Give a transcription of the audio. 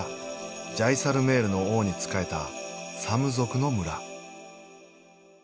ジャイサルメールの王に仕えたサム族の村。